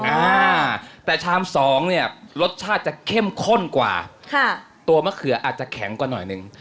อ่าแต่ชามสองเนี่ยรสชาติจะเข้มข้นกว่าค่ะตัวมะเขืออาจจะแข็งกว่าหน่อยหนึ่ง